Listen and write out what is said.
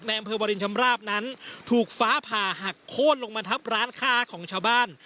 อำเภอวรินชำราบนั้นถูกฟ้าผ่าหักโค้นลงมาทับร้านค้าของชาวบ้าน